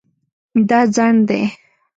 دا ځنډ دی